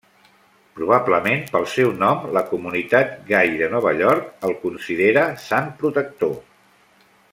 Probablement pel seu nom, la comunitat gai de Nova York el considera sant protector.